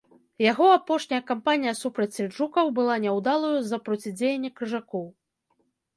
Яго апошняя кампанія супраць сельджукаў была няўдалаю з-за процідзеянні крыжакоў.